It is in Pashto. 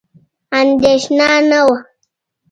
اندېښنه نه وه.